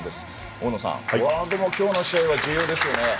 大野さん、フォワードも今日の試合は重要ですよね。